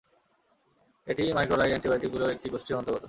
এটি ম্যাক্রোলাইড অ্যান্টিবায়োটিকগুলির একটি গোষ্ঠীর অন্তর্গত।